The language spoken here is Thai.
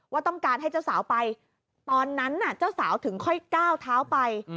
ว่าต้องการให้เจ้าสาวไปตอนนั้นน่ะเจ้าสาวถึงค่อยก้าวเท้าไป